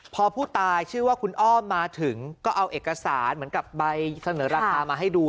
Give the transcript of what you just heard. พอผู้ตายชื่อว่าคุณอ้อมมาถึงก็เอาเอกสารเหมือนกับใบเสนอราคามาให้ดู